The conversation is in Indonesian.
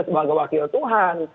sebagai wakil tuhan